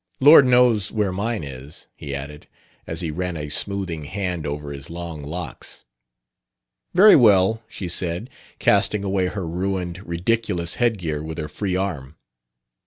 Lord knows where mine is," he added, as he ran a smoothing hand over his long locks. "Very well," she said, casting away her ruined, ridiculous headgear with her free arm.